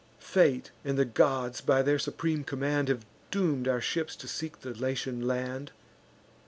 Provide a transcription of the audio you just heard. Fate and the gods, by their supreme command, Have doom'd our ships to seek the Latian land.